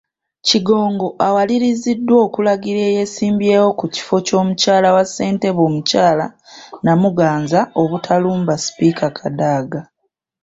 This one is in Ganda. Kigongo, awaliriziddwa okulagira eyeesimbyewo ku kifo ky’omumyuka wa ssentebe omukyala Namuganza obutalumba Sipiika Kadaga.